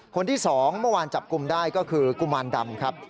คนที่๒เมื่อวานจับกลุ่มได้ก็คือกุมารดำครับ